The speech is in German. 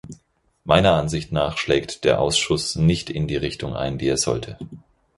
Meiner Ansicht nach schlägt der Ausschuss nicht in die Richtung ein, die er sollte.